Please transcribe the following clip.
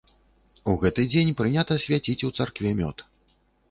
У гэты дзень прынята свяціць у царкве мёд.